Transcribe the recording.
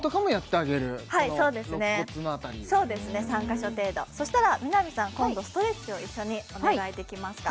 ３カ所程度そしたら南さん今度ストレッチを一緒にお願いできますか？